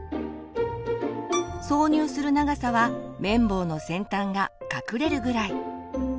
挿入する長さは綿棒の先端が隠れるぐらい。